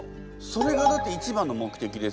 それがだって一番の目的ですよね。